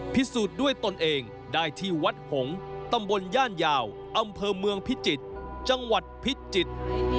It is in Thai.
พิสูจน์ด้วยตนเองได้ที่วัดหงษ์ตำบลย่านยาวอำเภอเมืองพิจิตรจังหวัดพิจิตร